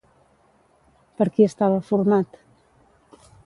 Per qui estava format?